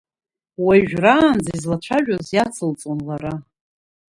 Уажәраанӡа излацәажәоз иацылҵон лара.